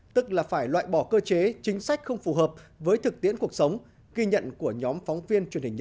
tức là phải loại bỏ cơ chế chính sách không phù hợp với thực tiễn cuộc sống